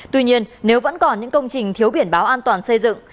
tuy nhiên nếu vẫn còn những công trình thiếu biển báo an toàn xây dựng